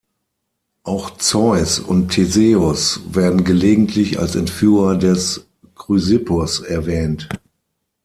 Auch Zeus und Theseus werden gelegentlich als Entführer des Chrysippos erwähnt.